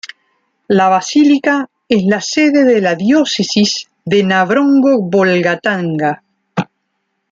La basílica es la sede de la diócesis de Navrongo-Bolgatanga.